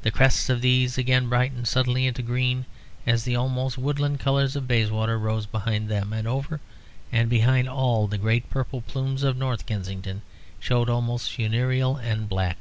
The crests of these again brightened suddenly into green as the almost woodland colours of Bayswater rose behind them. And over and behind all, the great purple plumes of North Kensington showed almost funereal and black.